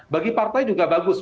bagi partai juga bagus